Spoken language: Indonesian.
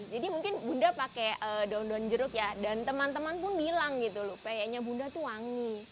jadi mungkin bunda pakai daun daun jeruk ya dan teman teman pun bilang gitu loh rempeyenya bunda tuh wangi